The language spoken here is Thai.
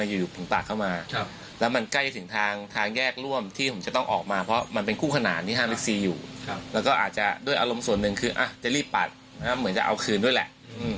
อยู่แล้วก็อาจจะด้วยอารมณ์ส่วนหนึ่งคือจะรีบปัดเหมือนจะเอาคืนด้วยแหละ